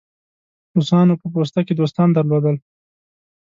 روسانو په پوسته کې دوستان درلودل.